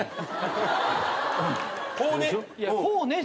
こうね。